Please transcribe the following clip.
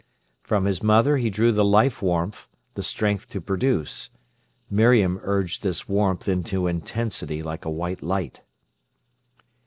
From his mother he drew the life warmth, the strength to produce; Miriam urged this warmth into intensity like a white light.